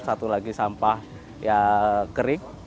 satu lagi sampah kering